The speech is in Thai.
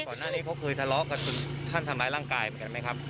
ก่อนหน้านี้เขาเคยทะเลาะกันจนท่านทำร้ายร่างกายเหมือนกันไหมครับ